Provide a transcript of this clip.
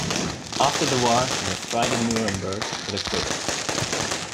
After the war, he was tried at Nuremberg but acquitted.